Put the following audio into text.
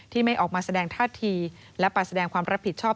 ที่ไม่ออกมาแสดงท่าที่และปลาแสดงความผิดชอบ